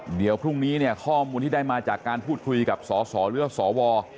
เดี๋ยวพรุ่งนี้เนี่ยข้อมูลที่ได้มาจากการพูดคุยกับสสหรือว่าสว